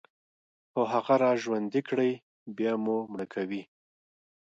خو هغه راژوندي كړئ، بيا مو مړه کوي